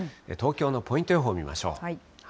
東京のポイント予報を見ましょう。